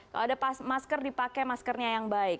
kalau ada masker dipakai maskernya yang baik